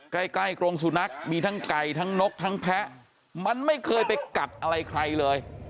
ใกล้ใกล้กรงสุนัขมีทั้งไก่ทั้งนกทั้งแพะมันไม่เคยไปกัดอะไรใครเลย